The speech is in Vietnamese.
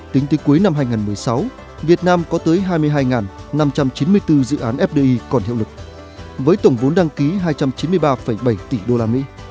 tính tới cuối năm hai nghìn một mươi sáu việt nam có tới hai mươi hai năm trăm chín mươi bốn dự án fdi còn hiệu lực với tổng vốn đăng ký hai trăm chín mươi ba bảy tỷ usd